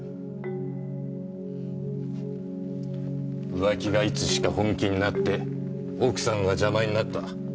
浮気がいつしか本気になって奥さんが邪魔になった。